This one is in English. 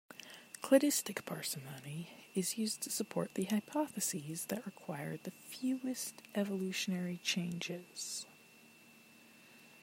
Cladistic parsimony is used to support the hypotheses that require the fewest evolutionary changes.